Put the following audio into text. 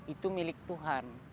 itu milik tuhan